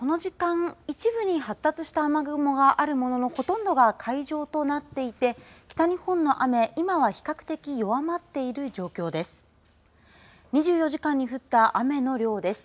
この時間、一部に発達した雨雲があるもののほとんどが海上となっていて北日本の雨、今は比較的弱まっている状況です。